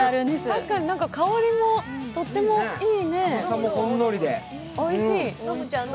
確かに香りもとてもいいね、おいしい。